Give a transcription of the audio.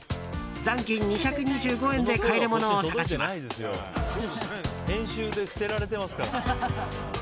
残金２２５円で買えるものを探します。